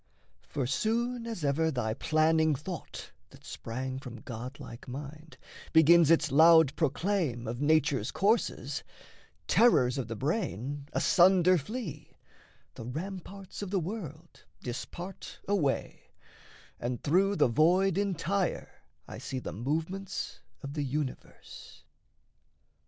For soon as ever thy planning thought that sprang From god like mind begins its loud proclaim Of nature's courses, terrors of the brain Asunder flee, the ramparts of the world Dispart away, and through the void entire I see the movements of the universe.